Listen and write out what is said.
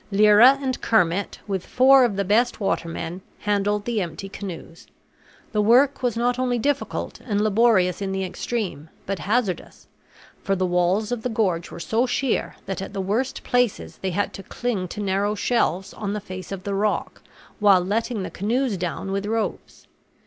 Lyra and Kermit, with four of the best watermen, handled the empty canoes. The work was not only difficult and laborious in the extreme, but hazardous; for the walls of the gorge were so sheer that at the worst places they had to cling to narrow shelves on the face of the rock, while letting the canoes down with ropes.